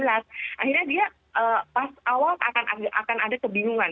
akhirnya dia pas awal akan ada kebingungan